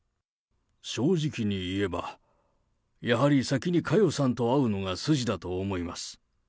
正直に言えば、やはり先に佳代さんと会うのが筋だと思います。